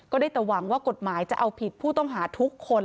ได้แต่หวังว่ากฎหมายจะเอาผิดผู้ต้องหาทุกคน